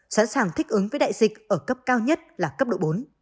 sẵn sàng thích ứng với đại dịch ở cấp cao nhất là cấp độ bốn